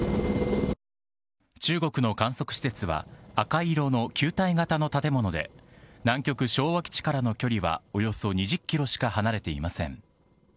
中国の観測施設は赤色の球体型の建物で南極昭和基地からの距離はおよそ２０ｋｍしか離れていません。